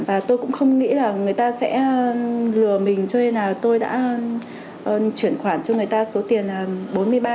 và tôi cũng không nghĩ là người ta sẽ lừa mình cho nên là tôi đã chuyển khoản cho người ta số tiền là bốn mươi ba